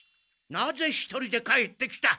なぜ１人で帰ってきた。